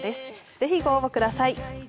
是非、ご応募ください。